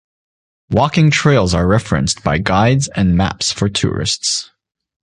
Walking trails are referenced by guides and maps for tourists.